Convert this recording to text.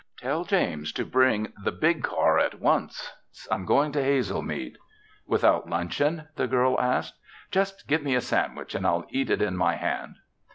"Tell James to bring the big car at once. I'm going to Hazelmead." "Without luncheon?" the girl asked. "Just give me a sandwich and I'll eat it in my hand."